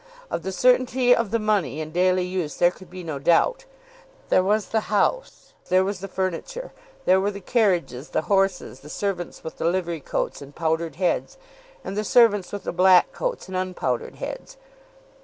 Of the certainty of the money in daily use there could be no doubt. There was the house. There was the furniture. There were the carriages, the horses, the servants with the livery coats and powdered heads, and the servants with the black coats and unpowdered heads.